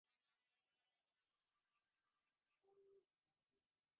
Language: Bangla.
তিনি দ্ব্যশরায় কাব্য নামে একটি মহাকাব্য রচনা করেছিলেন।